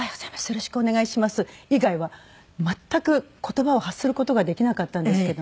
よろしくお願いします」以外は全く言葉を発する事ができなかったんですけども。